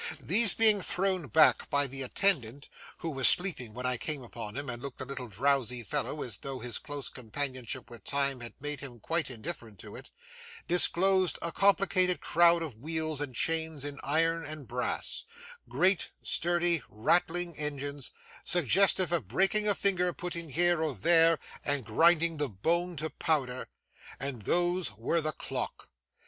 These being thrown back by the attendant (who was sleeping when I came upon him, and looked a drowsy fellow, as though his close companionship with Time had made him quite indifferent to it), disclosed a complicated crowd of wheels and chains in iron and brass,—great, sturdy, rattling engines,—suggestive of breaking a finger put in here or there, and grinding the bone to powder,—and these were the Clock!